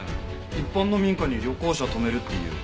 一般の民家に旅行者を泊めるっていう。